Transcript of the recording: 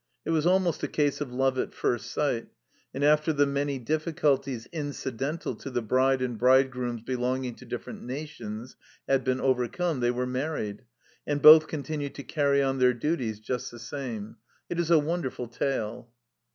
It was almost a case of love at first sight, and after the many difficulties incidental to the bride and bridegroom's belonging to different nations had been overcome, they were married, and both continue to carry on their duties just the same. It is a wonderful tale.